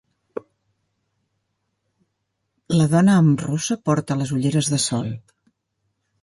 La dona amb rossa porta les ulleres de sol.